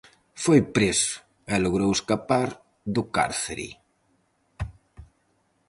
Foi preso e logrou escapar do cárcere.